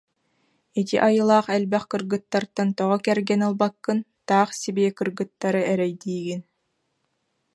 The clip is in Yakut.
Ити айылаах элбэх кыргыттартан тоҕо кэргэн ылбаккын, таах сибиэ кыргыттары эрэйдиигин